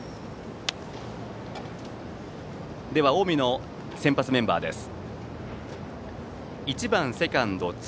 では、近江の先発メンバーです。